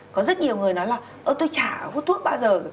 có rất nhiều người nói là tôi trả hút thuốc bao giờ